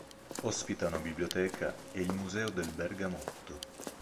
Ospita una biblioteca e il Museo del Bergamotto.